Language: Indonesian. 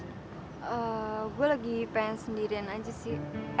gue lagi pengen sendirian aja sih